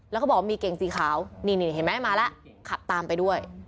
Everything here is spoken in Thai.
แล้วก็บอกว่ามีเก่งสีขาวนี่เห็นไหมมาแล้วขับตามไปด้วย